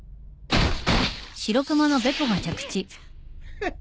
フッ。